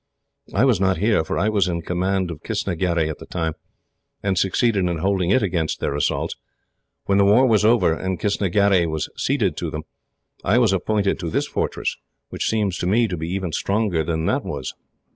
I was not here, for I was in command of Kistnagherry at that time, and succeeded in holding it against their assaults. When the war was over, and Kistnagherry was ceded to them, I was appointed to this fortress, which seems to me to be even stronger than that was.